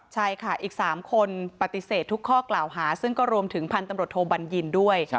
ใช่ค่ะอีก๓คนปฏิเสธทุกข้อกล่าวหาซึ่งก็รวมถึงพันธุ์ตำรวจโทบัญญินด้วย